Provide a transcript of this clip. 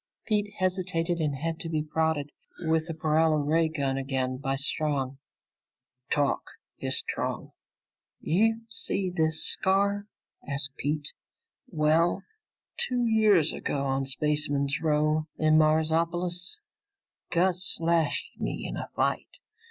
Pete hesitated and had to be prodded with the paralo ray gun again by Strong. "Talk!" hissed Strong. "You see this scar?" asked Pete. "Well, two years ago, on Spaceman's Row in Marsopolis, Gus slashed me in a fight.